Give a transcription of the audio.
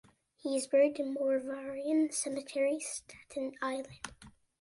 He is buried in Moravian Cemetery, Staten Island.